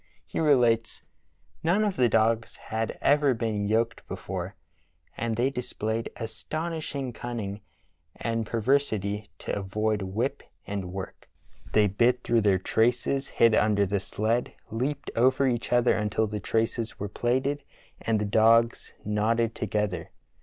He relates: "None of the dogs had ever been yoked before, and the}' displayed astonishing cunnmg and perversity to avoid whip and work. They bit 1 82 True Tales of Arctic Heroism through their traces, hid under the sled, leaped over each other until the traces were plaited and the dogs knotted together.